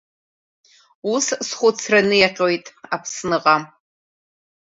Ус схәцра ниаҟьоит Аԥсныҟа.